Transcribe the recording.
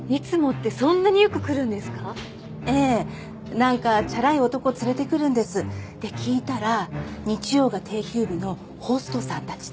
なんかチャラい男を連れてくるんです。で聞いたら日曜が定休日のホストさんたちで。